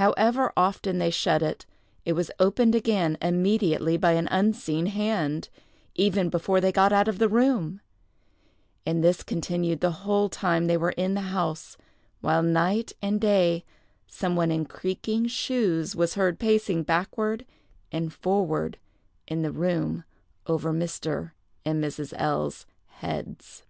However often they shut it, it was opened again immediately by an unseen hand, even before they got out of the room; and this continued the whole time they were in the house; while, night and day, some one in creaking shoes was heard pacing backward and forward in the room over Mr. and Mrs. L——'s heads.